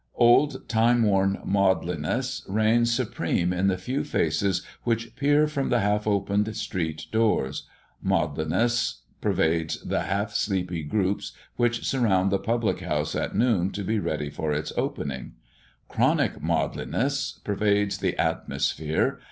Old time worn maudlinness reigns supreme in the few faces which peer from the half opened street doors; maudlinness pervades the half sleepy groups which surround the public house at noon to be ready for its opening; chronic maudlinness pervades the atmosphere.